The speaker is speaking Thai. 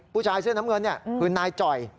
ผู้ชายเสื้อน้ำเงินคือนายจ่อย